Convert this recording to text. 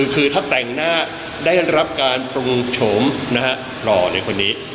คือถ้าแต่งหน้าได้รับการปรุงโฉมหล่อในคนนี้